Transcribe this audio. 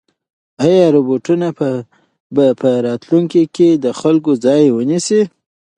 ایا روبوټونه به په راتلونکي کې د خلکو ځای ونیسي؟